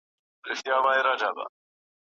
اې د بابا د غره له هسکو نه راغلې هوسۍ